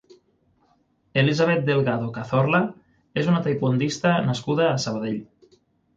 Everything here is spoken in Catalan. Elisabet Delgado Cazorla és una taekwondista nascuda a Sabadell.